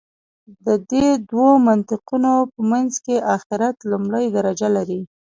د دې دوو منطقونو په منځ کې آخرت لومړۍ درجه لري.